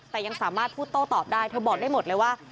แต่ยังสามารถพูดโต้ตอบได้เธอบอกได้หมดเลยว่า